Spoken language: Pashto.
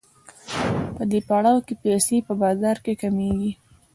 په دې پړاو کې پیسې په بازار کې کمېږي